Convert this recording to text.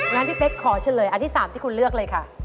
งั้นพี่เป๊กขอเฉลยอันที่๓ที่คุณเลือกเลยค่ะ